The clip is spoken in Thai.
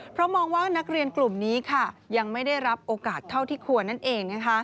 เพราะมองว่านักเรียนกลุ่มนี้ยังไม่ได้รับโอกาสเท่าที่ควรนั่นเอง